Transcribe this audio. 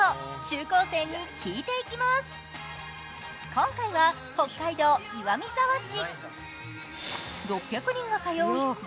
今回は北海道岩見沢市。